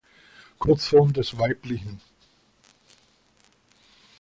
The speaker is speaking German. Kurzform des weibl.